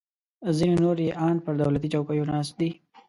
ځینې نور یې ان پر دولتي چوکیو ناست دي